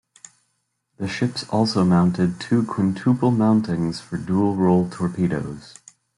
The ships also mounted two quintuple mountings for dual-role torpedoes.